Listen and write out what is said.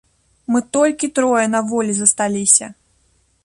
Мы толькі трое на волі засталіся!